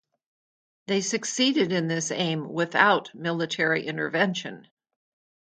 They succeeded in this aim without military intervention.